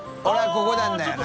ここなんだよな